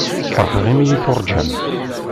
Feṛḥeɣ imi iyi-tuṛǧam.